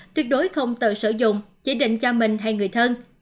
tuyệt đối không tự sử dụng chỉ định cho mình hay người thân